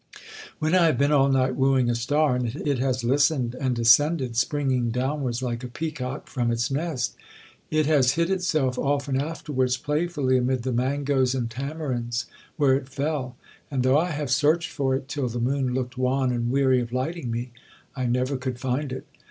When I have been all night wooing a star, and it has listened and descended, springing downwards like a peacock from its nest, it has hid itself often afterwards playfully amid the mangoes and tamarinds where it fell; and though I have searched for it till the moon looked wan and weary of lighting me, I never could find it.